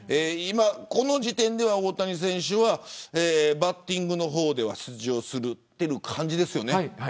この時点では、大谷選手はバッティングの方では出場するという感じですよね。